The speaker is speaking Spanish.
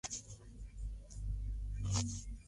Sean Pierson esperaba enfrentarse a Rick Story en el evento.